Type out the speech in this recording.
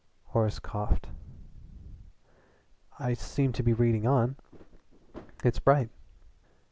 Horace coughed. "I seem to be reading on. It's bright."